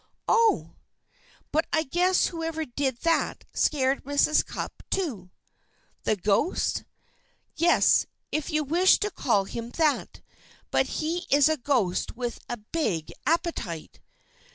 "Oh!" "But I guess whoever did that, scared Mrs. Cupp, too." "The ghost?" "Yes. If you wish to call him that. But he is a ghost with a big appetite."